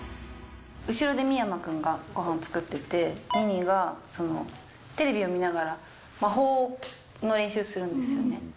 後ろで未山君がごはんを作ってて、美々がテレビを見ながら、魔法の練習するんですよね。